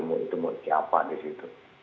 mob itu mau diapa disitu